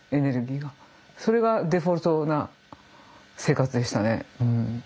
それがデフォルトな生活でしたね。